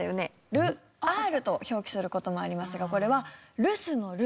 「ル」「Ｒ」と表記する事もありますがこれは留守の「ル」。